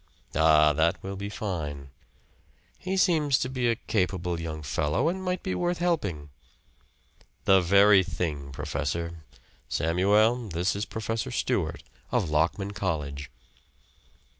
"Ah, that will be fine!" "He seems to be a capable young fellow and might be worth helping." "The very thing, professor. Samuel, this is Professor Stewart, of Lockman College."